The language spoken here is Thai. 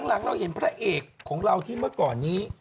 หลังเราเห็นพระเอกของเราที่เมื่อก่อนนี้